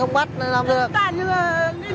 tên ông là tiêu tiêu út bắt người này là mấy năm em